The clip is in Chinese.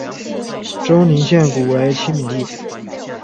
周宁县古为七闽地。